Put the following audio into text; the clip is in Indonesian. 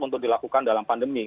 untuk dilakukan dalam pandemi